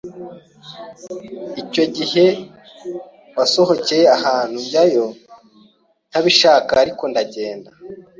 icyo gihet wasohokeye ahantu njyayo ntabishaka ariko ndagenda,